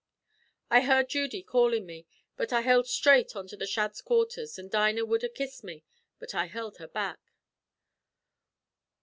"I heard Judy callin' me, but I hild straight on to the Shadds' quarthers, an' Dinah wud ha' kissed me, but I hild her back.